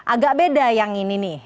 agak beda yang ini nih